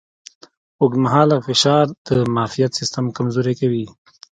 اوږدمهاله فشار د معافیت سیستم کمزوری کوي.